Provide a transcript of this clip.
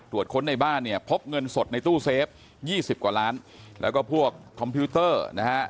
ค้นในบ้านเนี่ยพบเงินสดในตู้เซฟยี่สิบกว่าล้านแล้วก็พวกคอมพิวเตอร์นะฮะ